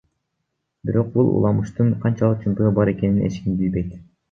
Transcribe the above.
Бирок бул уламыштын канчалык чындыгы бар экенин эч ким билбейт.